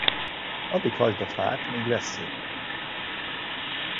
Addig hajtsd a fát, míg vessző.